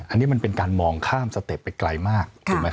อันนี้มันเป็นการมองข้ามสเต็ปไปไกลมาก